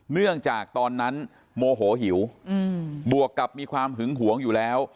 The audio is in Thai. เนื่องจากตอนนั้นโมโหหิวบวกกับมีความหึงหวงอยู่แล้ว